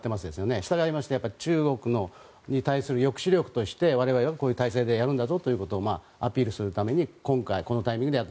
従いまして中国の抑止力として我々はこういう体制でやるんだぞということをアピールするために今回、このタイミングでやる。